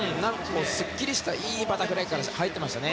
すっきりしたいいバタフライから入っていましたね。